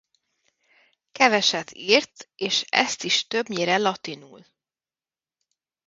Keveset írt és ezt is többnyire latinul.